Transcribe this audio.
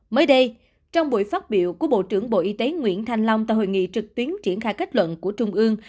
mới đây trong buổi phát biểu của bộ trưởng bộ y tế nguyễn thanh long tại hội nghị trực tuyến triển khai kết luận của trung ương